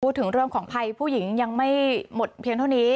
พูดถึงเรื่องของภัยผู้หญิงยังไม่หมดเพียงเท่านี้